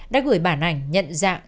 đã gửi bản ảnh nhận dạng